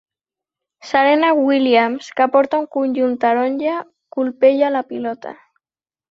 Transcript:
Serena Williams, que porta un conjunt taronja, colpeja la pilota